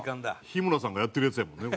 日村さんがやってるやつやもんね。